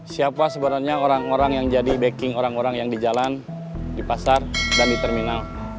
siapa sebenarnya orang orang yang jadi backing orang orang yang di jalan di pasar dan di terminal